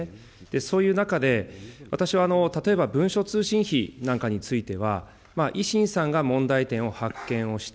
そういう中で、私は例えば、文書通信費なんかについては、維新さんが問題点を発見をした。